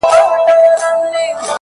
بيا به زه نه يمه عبث راپسې وبه ژاړې!